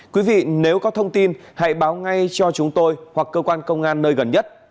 quý vị nếu có thông tin hãy báo ngay cho chúng tôi hoặc cơ quan công an nơi gần nhất